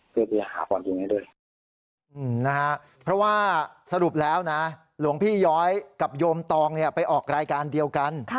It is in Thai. เพราะว่าสรุปแล้วนะหลวงพี่ย้อยกับโยมตองไปออกรายการเดียวกัน